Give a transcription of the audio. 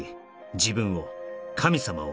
「自分を神様を」